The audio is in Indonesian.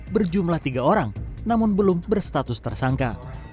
berjumlah tiga orang namun belum berstatus tersangka